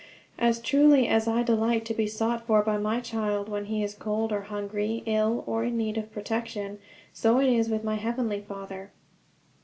As truly as I delight to be sought for by my child when he is cold or hungry, ill, or in need of protection, so is it with my Heavenly Father.